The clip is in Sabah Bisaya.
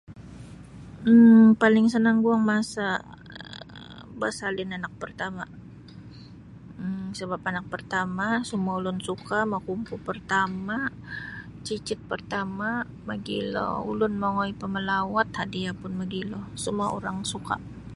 um Paling sanang guang masa um basalin anak partama um sabap anak partama semua ulun suka, mokumpu pertama cicit pertama mogilo ulun mongoi pamalawat hadiah pun mogilo semua orang suka